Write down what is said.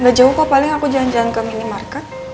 gak jauh kok paling aku jalan jalan ke minimarket